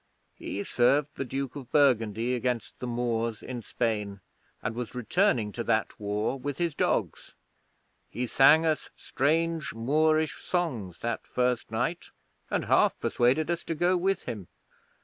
He served the Duke of Burgundy against the Moors in Spain, and was returning to that war with his dogs. He sang us strange Moorish songs that first night, and half persuaded us to go with him.